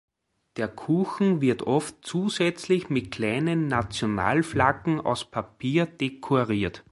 Der Kuchen wird oft zusätzlich mit kleinen Nationalflaggen aus Papier dekoriert.